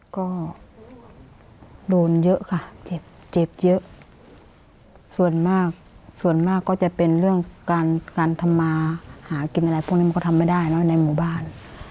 ก็โดนเยอะค่ะเจ็บเจ็บเยอะส่วนมากส่วนมากก็จะเป็นเรื่องการการทำมาหากินอะไรพวกนี้มันก็ทำไม่ได้เนอะในหมู่บ้าน